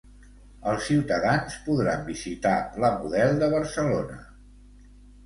Els ciutadans podran visitar la Model de Barcelona.